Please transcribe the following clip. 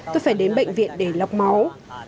tôi phải đến bệnh viện để lọc máu